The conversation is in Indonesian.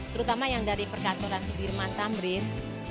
terutama yang dari perkantoran sudirman tamrin